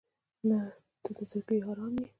• ته د زړګي ارام یې.